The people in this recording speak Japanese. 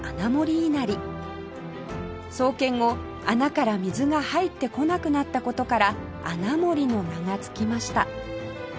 創建後穴から水が入ってこなくなった事から穴守の名が付きました